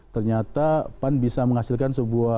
ternyata pan bisa menghasilkan sebuah